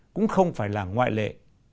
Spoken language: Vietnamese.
cũng không phải là ngoại lệ